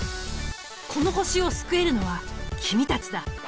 この星を救えるのは君たちだ。